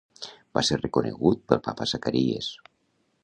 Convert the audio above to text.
Va ser reconegut pel Papa Zacaries.